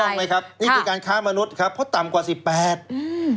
เลยครับนี่คือการค้ามนุษย์ครับเพราะต่ำกว่าสิบแปดอืม